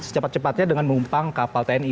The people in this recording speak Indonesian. secepat cepatnya dengan menumpang kapal tni